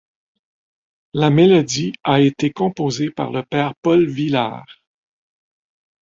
La mélodie a été composée par le père Paul Villard.